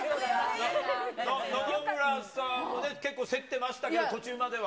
野々村さんも結構競ってましたけど、途中までは。